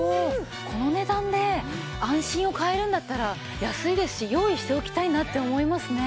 この値段で安心を買えるんだったら安いですし用意しておきたいなって思いますね。